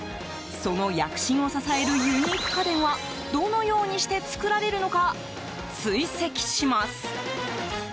その躍進を支えるユニーク家電はどのようにして作られるのか追跡します。